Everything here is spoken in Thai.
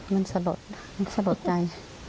มันสะบดมันสะบดใจ